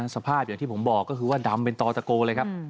สภาพอย่างที่ผมบอกก็คือว่าดำเป็นต่อตะโกเลยครับ